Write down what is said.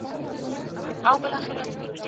هغه د راتلونکو ستونزو اټکل کاوه.